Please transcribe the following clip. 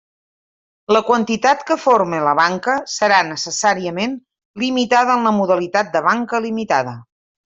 La quantitat que forme la banca serà necessàriament limitada en la modalitat de banca limitada.